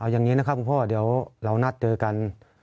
อย่างนี้นะครับคุณพ่อเดี๋ยวเรานัดเจอกัน